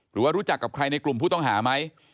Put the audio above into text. รู้จักกับใครในกลุ่มผู้ต้องหาไหม